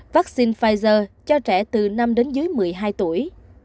vaccine pfizer cho trẻ từ năm một mươi hai tuổi